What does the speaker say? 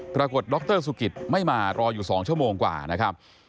ปรากฏดรสุกิตไม่มารออยู่๒ชั่วโมงกว่านะครับ